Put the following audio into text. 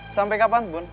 sampai kapan pun